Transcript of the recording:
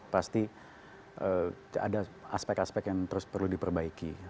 pasti ada aspek aspek yang terus perlu diperbaiki